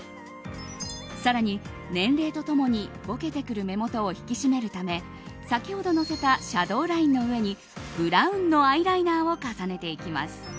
更に年齢と共にぼけてくる目元を引き締めるため先ほどのせたシャドーラインの上にブラウンのアイライナーを重ねていきます。